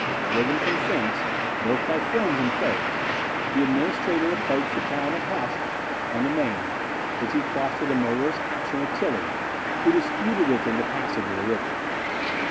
Driven from thence, both by friends and foes, the Administrator approached the town of Hoechst on the Maine, which he crossed after a murderous action with Tilly, who disputed with him the passage of the river.